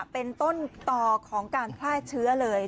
เป็นต้นต่อของการแพร่เชื้อเลย